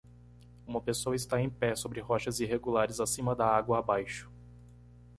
Uma pessoa está em pé sobre rochas irregulares acima da água abaixo.